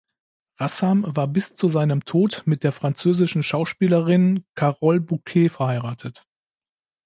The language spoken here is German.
Rassam war bis zu seinem Tod mit der französischen Schauspielerin Carole Bouquet verheiratet.